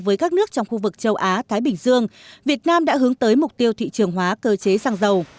với các nước trong khu vực châu á thái bình dương việt nam đã hướng tới mục tiêu thị trường hóa cơ chế xăng dầu